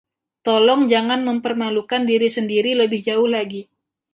Tolong jangan mempermalukan diri sendiri lebih jauh lagi.